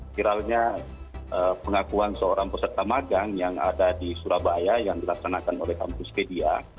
viralnya pengakuan seorang peserta magang yang ada di surabaya yang dilaksanakan oleh kampuspedia